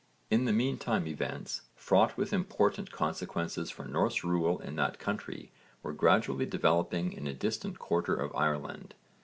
In the meantime events, fraught with important consequences for Norse rule in that country, were gradually developing in a distant quarter of Ireland.